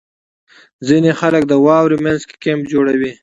• ځینې خلک د واورې مینځ کې کیمپ جوړوي.